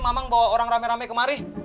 memang bawa orang rame rame kemari